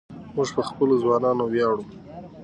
موږ په خپلو ځوانانو ویاړو.